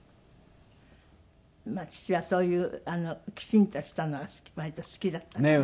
まあ父はそういうきちんとしたのが割と好きだったからね。